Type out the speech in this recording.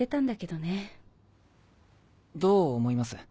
どう思います？